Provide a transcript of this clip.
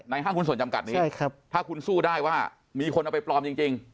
ห้างหุ้นส่วนจำกัดนี้ถ้าคุณสู้ได้ว่ามีคนเอาไปปลอมจริง